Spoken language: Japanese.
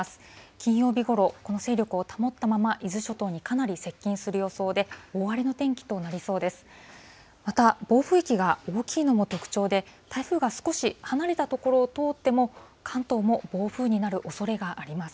金曜日ごろ、この勢力を保ったまま、伊豆諸島にかなり接近する予想で、大荒れの天気となりそうです。